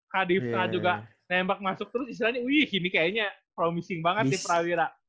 kadifna juga nembak masuk terus istilahnya wih ini kayaknya promising banget di perawira